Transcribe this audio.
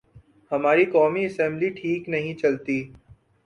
ہماری قومی اسمبلی ٹھیک نہیں چلتی۔